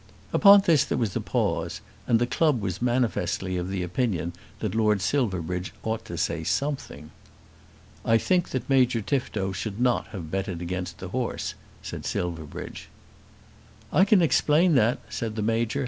Upon this there was a pause, and the club was manifestly of opinion that Lord Silverbridge ought to say something. "I think that Major Tifto should not have betted against the horse," said Silverbridge. "I can explain that," said the Major.